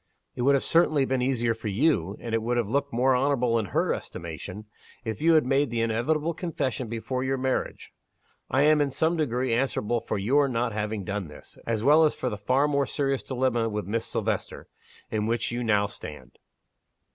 It would have been certainly easier for you and it would have looked more honorable in her estimation if you had made the inevitable confession before your marriage. I am, in some degree, answerable for your not having done this as well as for the far more serious dilemma with Miss Silvester in which you now stand.